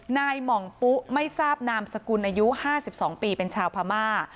หม่องปุ๊ไม่ทราบนามสกุลอายุ๕๒ปีเป็นชาวพม่า